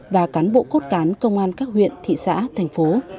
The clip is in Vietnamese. và cán bộ cốt cán công an các huyện thị xã thành phố